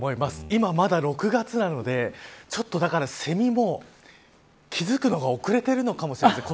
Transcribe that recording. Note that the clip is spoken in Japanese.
今まだ６月なのでセミにも気付くのが遅れているのかもしれません。